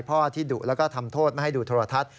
พ่อที่ดุแล้วก็ทำโทษไม่ให้ดูโทรทัศน